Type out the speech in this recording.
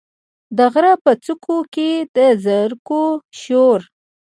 د غره په څوکو کې، د زرکو شور،